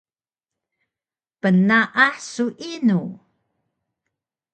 Pnaah su inu?